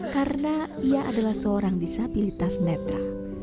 karena ia adalah seorang disabilitas netra